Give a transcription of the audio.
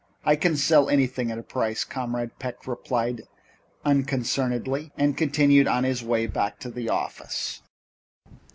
"I can sell anything at a price," Comrade Peck replied unconcernedly, and continued on his way back to the office.